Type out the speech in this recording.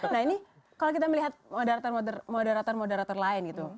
nah ini kalau kita melihat moderator moderator lain gitu